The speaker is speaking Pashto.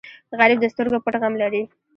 غریب د سترګو پټ غم لري